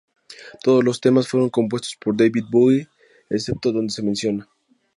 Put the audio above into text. Todos los temas fueron compuestos por David Bowie, excepto donde se menciona.